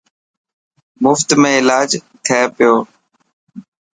مفت ۾ الاج ٿي پيو.